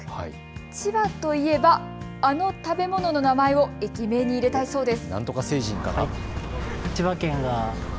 千葉といえばあの食べ物の名前を駅名に入れたいそうです。